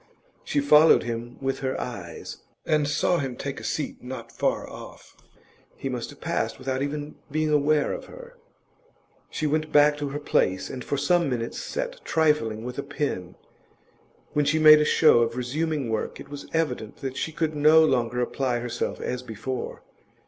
She followed him with her eyes, and saw him take a seat not far off; he must have passed without even being aware of her. She went back to her place and for some minutes sat trifling with a pen. When she made a show of resuming work, it was evident that she could no longer apply herself as before.